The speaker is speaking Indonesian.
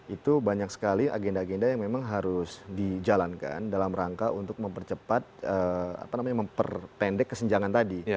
itu banyak sekali agenda agenda yang memang harus dijalankan dalam rangka untuk mempercepat apa namanya memperpendek kesenjangan tadi